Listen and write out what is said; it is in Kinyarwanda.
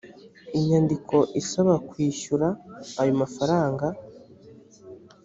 inyandiko isaba kwishyura ayo mafaranga